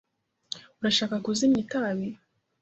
Urashaka kuzimya itabi?